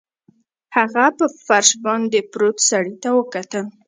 هغه په فرش باندې پروت سړي ته وکتل